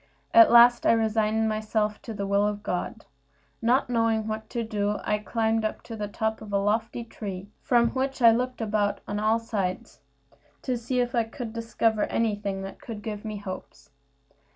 At last I resigned myself to the will of God. Not knowing what to do, I climbed up to the top of a lofty tree, from which I looked about on all sides, to see if I could discover anything that could give me hopes.